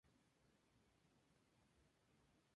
Las traducciones de algunos de estos se presentan abajo.